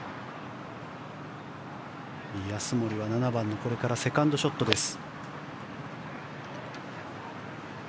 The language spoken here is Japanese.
安森はこれから７番のセカンドショットです。